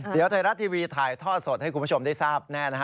เดี๋ยวไทยรัฐทีวีถ่ายท่อสดให้คุณผู้ชมได้ทราบแน่นะฮะ